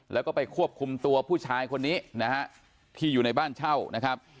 แล้วก็ไปควบคุมตัวผู้ชายคนนี้นะฮะที่อยู่ในบ้านเช่านะครับ